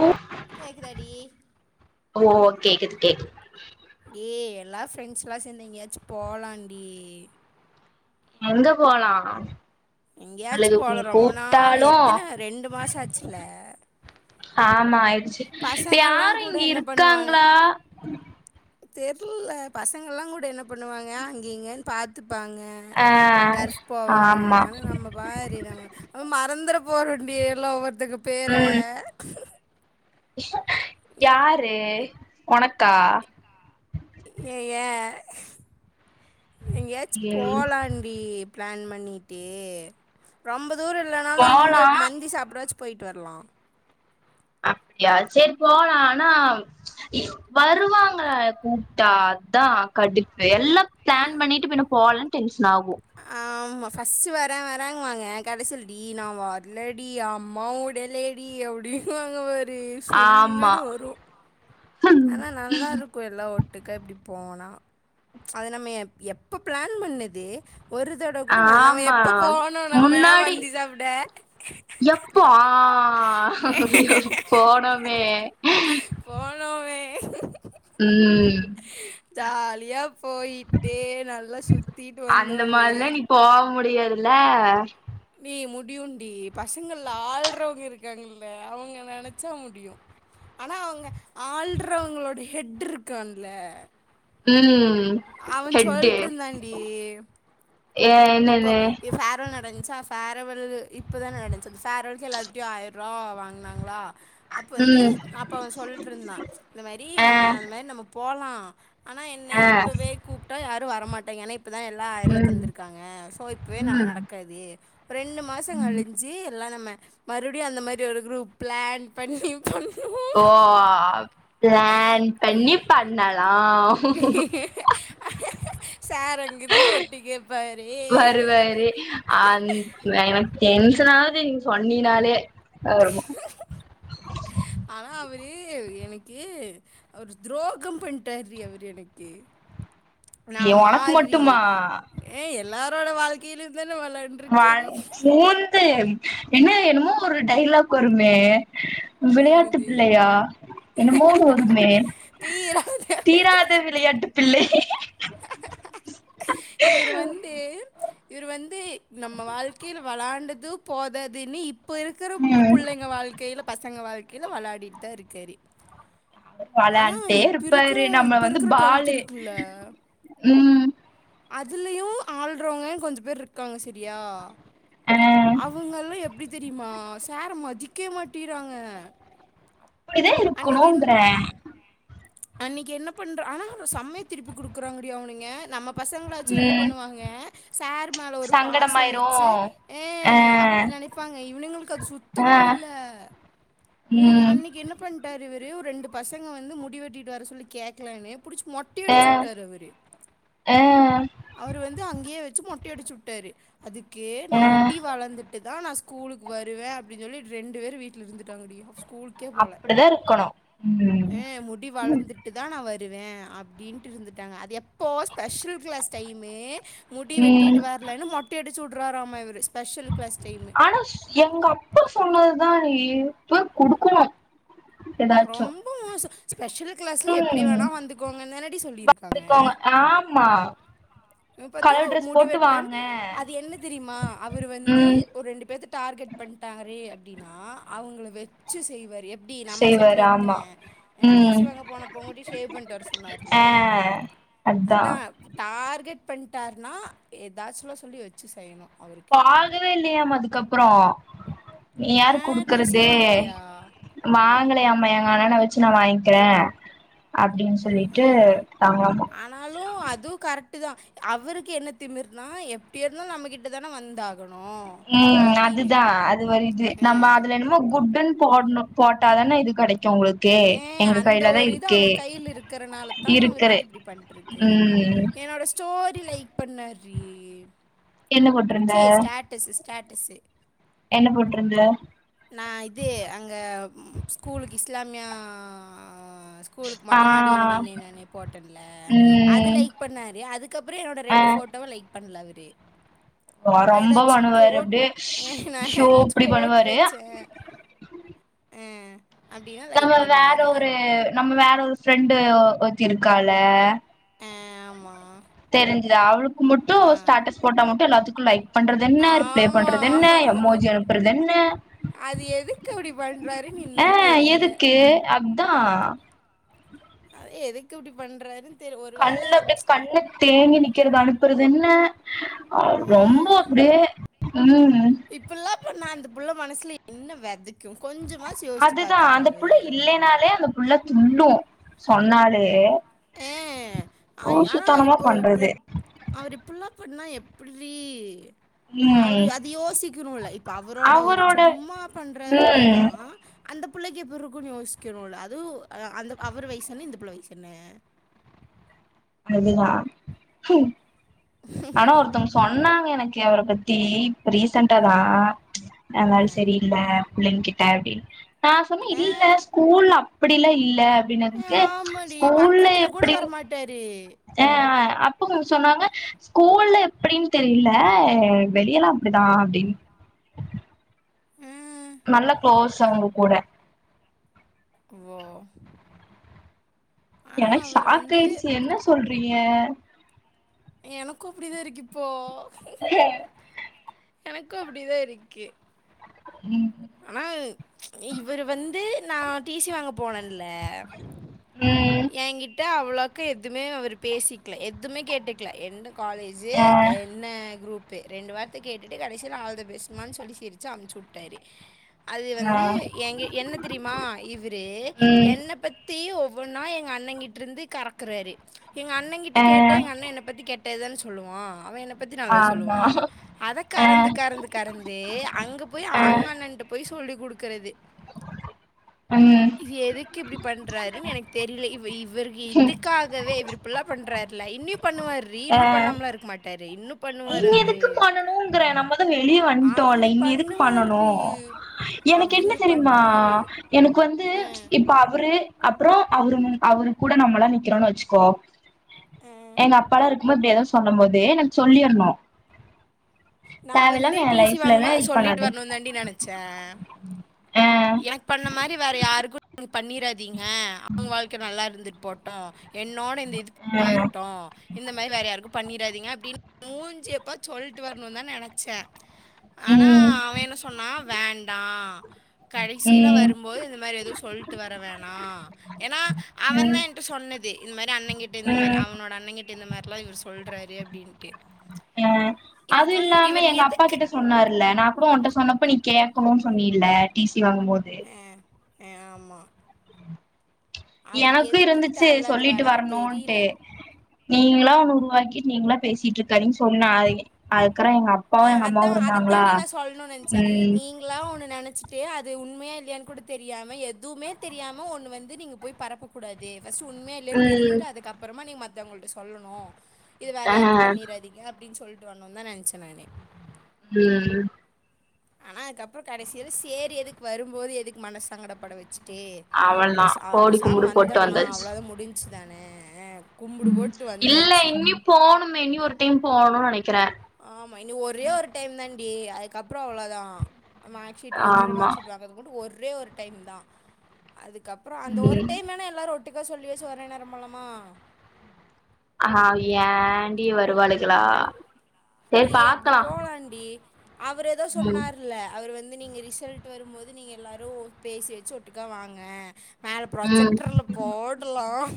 ம் கேக்குதாடி ஓ கேக்குது கேக்கு ஏ எல்லா ஃப்ரெண்ட்ஸ் எல்லா சேந்து எங்கயாச்சு போலாண்டி எங்க போலா எங்கேயாச்சு உங்களுக்கு போலா ரொம்ப நாள் கூப்ட்டாலு எத்தன ரெண்டு மாச ஆச்சுல ஆமா ஆயிருச்சு இப்ப பசங்கள்லா யாரும் கூட இங்க என்ன பண்ணுவாங்க இருக்காங்களா தெர்ல பசங்கள எல்லா கூட என்ன பண்ணுவாங்க அங்க இங்கன்னு பாத்து ப்பாங்க ஆ டர்ஃப் போவாங்க ஆமா ஆனா நம்ம பாரு நம்ம நம்ம மறந்துறப் போறோண்டி எல்லா ஒவ்வொருத்தங்க பேர ம் யாரு ஒனக்கா ஏ ஏ எங்கயாச்சு ம் போலாண்டி ப்ளான் பண்ணிட்டு ரொம்பக் தூரோ இல்லனாலு போலா இங்க மந்தி சாப்டவாச்சு போயிட்டு வர்லா அப்டியா சரி போலா ஆனா வருவாங்கள கூப்ட்டா அதா கடுப்பு எல்லா ப்ளான் பண்ணிட்டு பின்ன போலனு டென்சன் ஆகு ஃபஸ்டு வர வராங்குவாங்க கடைசல் டி நா வரலடி அம்மா உடலடி அபுடி வுவாங்க பாரு ஆமா சுல்லுனு வரு ஆனா நல்லாருக்கு எல்லா ஒட் ட்டுக்கா இப்டி போனா அது நம்ம எப் எப்ப ப்ளான் பண்ணது ஒரு தோட கூட நா நம்ம ஆமா எப்ப போணோ நம்ம முன்னாடி மந்தி சாப்ட ஆ போனோமே போனோமே ம் ஜாலியா போயிட்டு நல்லா சுத்திட்டு வந்தோமே டியாதுல நீ முடியு டி பசங்கள்ல ஆழ்றவங்க இருக்காங்கல்ல அவங்க நெனச்சா முடியு ஆனா அவங்க ஆளுறவங்களோட ஹெட் இருக்கான்ல ம் அவ ஹெட்டு சொல்ட்டு இருந்தாண்டி ஏ இப்போ என்னது இ ஃபேரோ நடஞ் ஃபேரவல் இப்பதா நடந்சி அந்த ஃபேரவல்க எல்லாத்தட்டையு ஆயிர ரூவா வாங்குனாங்களா அப்ப வந்து ம் அப்ப அவன் சொல்ட்டு இருந்தா இந்த மாரி ஆ நம்ம அந்த மாரி நம்ம போலா ஆனா என்ன ஆ இப்பவே கூப்ட்டா யாரும் வரமாட்டாங்க ஏன்னா இப்பதா எல்லா ஆயர்வா ம் தந்திருக் சோ இப்பவே ம் நடக்காது ரெண்டு மாச ம் கழிஞ்சு ல்லா நம்ம மறுபடியு அந்த மாரி ஒரு குரூப் பிளான் பண்ணி பண்ண ஓ பிளான் பண்ணி பண்ண சார் அங்கிருந்து ஒட்டி கேப்பாரு வருவாரு அந் எனக்கு டென்ஷனாவது நீ சொன்னீனாலே ஆமா ஆனா அவரு எனக்கு அவர் துரோகம் பண்டாருரி அவரு எனக்கு ஏ நாம் ஒனக்கு பார்றி மட்டுமா ஏ எல்லாரோட வாழ்க்கையிலந்தா வாழ் சூந்து என்ன என்னமோ ஒரு டைலாக் வருமே விளையாட்டு என்னது பிள்ளையா என்னமோன்னு வருமே தீராத தீராத விளையாட்டு பிள்ளை இவரு வந்து இவரு வந்து நம்ம வாழ்க்கையில வளாண்டது போததுன்னு இப்ப இருக்கிற ம் புள்ளைங்க வாழ்க்கையில பசங்க வாழ்க்கைய்யில வளயாடிட்டு தா இருக்காரு ஆனால் வளான்ட்டே இப்போ இருக்கிற இருப்பரு நம்ம இப்போ வந்து இருக்கிற டுவெல்த் பாலு இருக்குல்ல ம் அதுலயு ஆள்றவங்க கொஞ்ச பேரு இருக்காங்க சரியா ஆ அவங்கல்லா எப்டி தெரியுமா சார மதிக்க மாட்டேகிறாங்க இப்படிதா இருக்கணும்ங்கற அன்னைக்கு என்ன பண்ற ஆனா ஒரு சமைய திருப்பி குடுக்குறாங்கடியா அவனுங்க நம்ம பசங்கள வச்சு என்ன ம் பண்ணுவாங்க சார் மேல ஒரு பாசம் சங்கடமாயிரு வச்சு ஏ ஆ அப்படின நெனைப்பாங்க இவனுங்களுக்கு அது ஆ சுத்தமா இல்ல இவனுங்க ம் அன்னைக்கு என்ன பண்ட்டாரு இவர் ஒரே ஒரு ரெண்டு பசங்க வந்து முடிவ வெட்டிட்டு வர சொல்லி கேக்கலனு படிச்ச ஆ மொட்டையடிச்சு விட்டார் அவரு ஆ அவர் வந்து அங்கேயே வச்சு மொட் டையடிச்சு விட்டரு அதுக்கு நா ஆ முட்டி வளந்துட் டுதா நா ஸ்கூலுக்கு வருவே அப்டின் சொல்லி ரெண்டு வேரு வீட்டுல இருந்துட்டாங்கடி ஸ்கூலுக்கே போகல அப்படிதா இருக்கணு ம் டி வளந்துட்டுதா நா வரு வருவே அப்படின்ட்டு இருந்துட்டாங்க அது எப்போ ஸ்பெஷல் கிளாஸ் டைமு மூடி ம் வெட்டிட்டு வரலன்னு மொட்ட அடிச்ச வி்ட்ருவாராம்மா இவரு ஆனா ஸ் எங்கப்பா சொன்னதுதா நீ இப்ப குடுக்கு ரொம்பவு மோச ஸ்பெஷல் கிளாஸ்ல எப்டி வேணா வந்துக்கோங்கன் தான்னடி சொல்லிருக் இருக்கோங்க ஆமா பாத்தா கலர் ட்ரெஸ் போட்டு முடிவட்டலன்னு வாங்க அது என்ன தெரியுமா அவரு வந்து ம் ஒரு ரெண்டு பேத் டார்கெட் பண்ணிட்டாரே அப்படின்னா அவங்கள வச்சு செய்வார் எப்படி நம்ம செய்வாரு செட்டில ஒருத்தன ஆமா ஏ டி சி ம் வாங்க போனப்ப மட்டு ஷேவ் பண்ணிட்டு வர சொன்னார்ல ஆ அதா அதான் டார்கெட் பண்ணிட்டாருன்னா ஏதாச்சும்லு சொல்லி வச்சு செய்யணு அவருக்கு பாகவே இல்லையாமா அதுக்கப்புறோ நீ ஆ யாரு டிசியே குடுக்குறது வாங்கலையா வாங்கலையமா ஆன வச்சு நா வாங்கிக்கிறே அ அப்டின்னு ஆ சொல்லிட்டு தாங்காம ட்டுதா அவருக்கு என்ன திமிர்னா எப்டிருந்தா நம்மகிட்ட தான வந்த உம் அதுதா அது ஒரு இது நம்ம ஆ அதுல என்னமோ குட்டுன் போட்ணு போட்டாதான இது க்யு உங்ளுக்கு ஏ எங்க அந்த கைலதா ஒரு இது இருக்கே அவர் கையில இருக்கறனால தா அவர் இருக்கற வந்து இப்டி பண்ட்ருக்காரு ம் என்னோட ஸ்டோரி லைக் பண்ணரி என்ன போட்ருந்த டிஸ்ச நா இது அங்க ஸ்கூலுக்கு இஸ்லாம் மியா ஸ்கூலுக்கு ஆ மொட்ட மாடில நின்னு நானு போட்டல அது ம் லைக் பண்ணாரு அதுக்கப்ற என்னோட ரெண்டு ஃபோட்டோவ லைக் பண்ல அவுரு ஆ ரொம்ப பண்ணுவாரு அப்டியே நா ஷோ ஏதாச்சு இப்டி கோட் பண்ணுவாரு வச்சே ஆ அப்டின்னா நம்ம லைக் வேற பண்ணுவாரு ஆ ஒரு நம்ம வேற ஒரு ஃப்ரெண்டு ஒத்தி இருக்கால ஆமா தெரிஞ்சுது அவளுக்கு மட்டு ஆ ஸ்டேட்டஸ் போட்டா மட்டு எல்லாத்துக்கு லைக் பண்றதென்ன ரிப்ளை ஆமா பண்றதென்ன எமோஜி அனுப்றதென்ன ஏ இப்டி பண்றாருன்னு இன்னு தெரில த்தா அத எதுக்குப்டி பண்றாரு கண்ல அப்டியே கண்ணு தேங்கி நிக்கறது அனுப்புறதென்ன அ ஆ ரொம்ப அப்டியே ம் இப்பில்லா பண்ணா அந்த புள்ள மனசுல என்ன வெதக் அதுதா அந்த புள்ள இல்லைனாலே அந்த புள்ள துள்ளு சொன்னாலே ஏ ஆ ஆ லூசுத்தனமா இப்போ இப்போ பண்றது அவரு இப்புல்லா பன்னா எப்புரி உம் அவரு அது யோசிக்கிணுல்ல இப்ப அவரோட ஒரு சும்மா பண்றாரு அப்டினா ம் அந்த புள்ளைக்கு எப்புருக்குனு யோசிக்கணுல்ல அது அந்த அவரு வயசென்ன இந்த புள்ளை வயசென்ன அதுதா ம் ஆனா ஒருத்தவங்க சொன்னாங் க எனக்கு அவர பத்தி ரீசன்டாதா ம் ம்ச் ஆ அந்தாளு செரியில்ல புள்ளைங்கிட்ட அப்டினு நா சொன்ன ஆ இல்ல ஸ்கூல்ல அப்படிலா இல்ல ஆ, அப்பிடினதுக்கு ஆமாடி ஸ்கூல்ல பக்கத்துல கூட எப்படி வரமாட்டாரு ஆ அப்போ சொன்னாங்க ஸ்கூல்ல எப்பிடினு தெரில ஆ வெளியெல்லா அப்டிதா அப்டின் ஆ, நல்ல கோளோஸ் அவுங்க கூட ஓ ஆனா எனக்கு அவர் வந்து ஷாக்காயிருச்சு என்ன சொல்றீங்க எனக்கு அப்டிதாருக்கு இப்போ ஆ எனக்கு அப்டிதாருக்கு ம் ஆனா ம்ச் இவரு வந்து நா டி சி வாங்க போனல்ல ம் என்கிட்ட அவ்ளோக்கு எதுமே அவரு பேசிக்ல எதுமே கேட்டுக்ல என்ன காலேஜூ ஆ என்ன குரூப் ப்பு ரெண்டு வார்த்த கேட்டுட்டு கடைசில ஆல் த பெஸ்ட் மானு சொல்லி சிரிச்சு அனுப்சிவிட்டாரு அது ஆ வந்து எங்க என்னத் தெரியுமா இவரு ம் என்ன பத்தி ஒவ் ஒவ்வொன்னா எங்க அண்ணங்கிட்ருந்து கறக்குறாரு எங்க அண்ணங்கிட்ட ஆ கேட்ட எங்க அண்ண என்ன பத்தி கேட் ட்டதுதான சொல்லுவா அவ என்ன பத்தி நல்லது ஆமா சொல்லுவானா அத ஆ கறந்து கறந்து கறந்து அங்க போய் அவங்கன் போய் சொல்லி குடுக்கறது ம் இது எதுக்கிப்டி பண்றாருனு எனக்கு தெரியில இவ இவ் இவரு இதுக்காகவே இவரு ப்பள்ளா பண்றாருல இன்னியு பண்ணுவாரீ இன்னு பண்ணாமலா இருக்க மாட்டாரு இன்னு இன்னு எதுக்கு பண்ணணுங்கற நம்மதா வெளிய வண்டோல்ல அவர் இன்னு எதுக்கு பண்ணணு பண்ணுவார் ஓ எனக்கு என்ன அவர் தெரியுமா பண்ணுவார் எனக்கு வந்து ம்ச் இப்ப அவரு அப்புறோ அவரு அவரு கூட நம்ம எல்லா நிக்கிறோன்னு வெச்சுக்கோ எங்க அப்பாலா இரு திரும்ப இப்டி ஏதாவது சொல்லும் போதே எனக்கு சொல்லிரணு நா வந்து டி சி வாங்குபோதே இது சொல்லிட்டு பண்ணாத வரணுனுதாண்டி நெனைச்சே ஆ எனக்கு பண்ண மாரி வேற யாருக்கு நீங்க பண்ணிராதீங்க அவங்க வாழ்க்க நல்லா இருந்துட்டு போட்டோ என்னோட இந்த இது ஆ போயிரட்டோ இந்த மாரி வேறு யாருக்குக்கு பண்ணிடாதீங்க அப்படின்னு மூஞ்சியப்பா சொல்லிட்டு வரணும்னு தா நெனைச்சே ஆனா ம் அவ என்ன சொன்னா வேண்டா கடைசியில ம் வரும்போது இந்த மாரி எதுவு சொல்லிட்டு வர வேண்டா ஏன்னா அவ ம் தா என்ட்ட சொன்னது இந்த மாரி அண்ண கிட்ட இந்த மாரி ம் அவனோட அண்ண கிட்ட இந்த மாரி எல்லா இவரு சொல்றாரு அப்படின்ட்டு ஆ அது இவர் கொஞ் இல்லாம இவர் எங்க அப்பா எதுக்கு கிட்ட சொன்னாருல்ல நான கூட உன்கிட்ட சொன்னப்ப நீ கேக் பாக்கனுன்னு சொன்ன இல்ல டி சி வாங்கு போது ஏ ஆமா எனக்கு இருந்துச்சு தேவையில்லாத சொல்லிட்டு வேலைன்னு வரணுன்ட்டு தெரியல நீங்களா ஒன்னு உருவாக்கிட்டு நீங்களா பேசிட்டு இருக்காதீங்கனு சொன்ன அது அ ஆ அதா அதத்தாண்டி நா சொல்லணுனு நெனைச்சே ம் நீங்களா ஒண்ணு நெனச் சிட்டு அது உண்மையா இல்லையானு கூட தெரியாம எதுமே தெரியாம ஒன்னு வந்து நீங்க போய் பரப்ப கூடாது பஸ்ட்டு உண்மையா இல்லையான்னு ம் தெரிஞ்சுட்டு அதுக்கப்பறமா நீங்க மத்தங்கள்ட்ட சொல்லணு இது வேற ஆ யாருக்கு பண்ணறாதீங்க அப்பிடின்னு சொல்லிட்டு வரனு தா நெனச்சே நானு ம் ஆனா அதுக்கப்புறோ கடைசியில சேரி எதுக்கு வரும்போது எதுக்கு மனச சங்கடப்பட வெச்சு வச்சுட்டு அவள்தா பேசா கோடி பேசாம கும்புடு போட்டு வந்துடலாம் அவ்ளோ தான் முடிஞ்சுதானே உம் இல்ல இனி போணுமே இனி ஒரு டைம் போணும்னு நினைக்கிறேன் ஆமா இனி ஒரே ஒரு டைம் தான்டி அதுக்கப்புறம் அவ்ளோதான் மார்க் ஷீட் ஒரிஜினல் ஆமா மார்க் ஷீட் வாங்குறதுக்கு மட்டும் ஒரே ஒரு டைம் தான் அதுக்கப்புறம் அந்த ஒரு ம் டைம் வேனா எல்லாரும் ஒட்டுக்கா சொல்லி வச்சு ஒரே நேரம் போலாமா ஆஹ் ஏண்டி வருவாளுகளா சேரி ஏய் அப்படி பாக்கலா போலாம்ண்டி அவர் ஏதோ ம் சொன்னார்ல அவரு வந்து நீங்க ரிசல்ட் வரும்போது நீங்க எல்லாரும் பேசி வச்சு ஒட்டுக்கா வாங்க மேல ம் ப்ரஜெக்டர்ல போடலாம்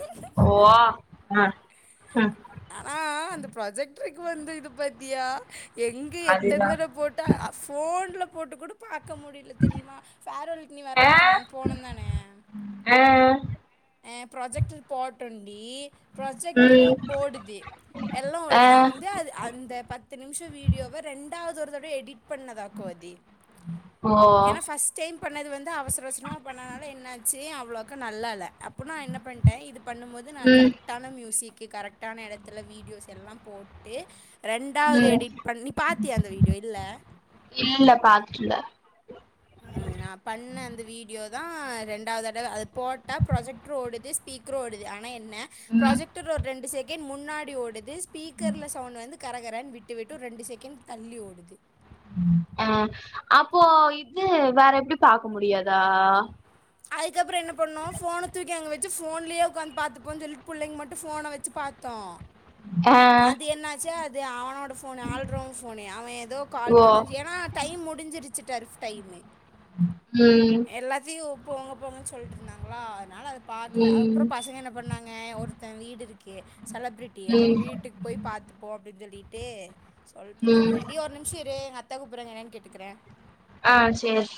அஹ் ஆனா அந்த ப்ரஜெக்ட் இருக்கு வந்து இது பாத்தியா எங்கே எத்தன அதுதா தடவ போட்டால் ஃபோனில போட்டு கூட பாக் க்க முடியல தெரியுமா ஃபேர்வெலுக்கு நீ ஆ வரல தான நாங்க போனோம் தானே ஆ ஆ ப்ராஜெக்டர் போட்டோம் டி ப்ராஜெக்டரு ம் ஓடுது எல்லாம் ஓடுது நா ஆ வந்து அது அந்த பத்து நிமிஷம் வீடியோவ ரெண்டாவது ஒரு தடவ எடிட் பண்ணதா கோதி ஓ ஏன்னா ஃபஸ்ர்ட் டைம் பண்ணது வந்து அவசர அவசரமா பண்ணனால என்னாச்சு அவ்ளோக்கா நல்லா இல்ல அப்போ நா என்ன பண்ணிட்டேன் இது பண்ணும் போது நா ம் கரெக்டான மியூசிக் ஓகே கரெக்டான இடத்துல வீடியோஸ் எல்லாம் போட்டு ரெண்டாவது ம் எடிட் பண்ணி பாத்தியா அந்த வீடியோ இல்ல இல்ல பாக்கல உம் நா பண்ணேன் அந்த வீடியோ தான் ரெண்டாவது தடவ அது போட்டா ப்ரொஜெக்டர் ஓடுது ஸ்பீக்கர் ஓடுது ஆனா என்ன ம் ப்ராஜெக்டர் ஒரு ரெண்டு செகண்ட் முன்னாடி ஓடுது ஸ்பீக்கர்ல சவுண்ட் வந்து கரங் கரான் விட்டுவிட்டு ரெண்டு செகண்ட் தள்ளி ஓடுது அஹ் அப்போ இது வேற எப்படி பாக்க முடியாதா அதுக்கப்புறம் என்ன பண்ணுவோ ஃபோன தூக்கி அங்க வச்சு ஃபோன்லயே உக்காந்து பாத்துபோம் சொல்ட்டு பிள்ளைங்க மட்டும் ஃபோன வச்சு பாத்தோம் ஆ அஹ் அது என்னாச்சு அது அவனோட ஃபோனு ஆல்ர் ஃபோனு அவன் ஏதோ கால் ஓ பண்ண ஏன்னா டைம் முடிஞ்சிருச்சு ட்ரஃப் டைம் உம் போங்க போங்கன்னு சொல்லிட்டு இருந்தாங்களா அதனால அத பாக்கல ம் அப்புறம் பசங்க என்ன பண்ணாங்க ஒருத்தன் வீடு இருக்கு செலபிரிட்டி அவன் ம் வீட்டுக்கு போய் பாத்துப்போம் அப்படின்னு சொல்லிட்டு சொல்ட்டு ம் இருந்தானுங்க டி ஒரு நிமிஷம் இரு எங்க அத்த கூப்புறாங்க என்னன்ன கேட்டுக்குறேன் ஆஹ் சேரி